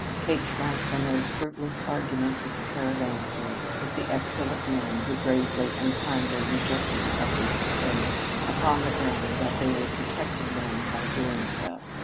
Kate shrank from those fruitless arguments at the Caravansary with the excellent men who gravely and kindly rejected suffrage for women upon the ground that they were protecting them by doing so.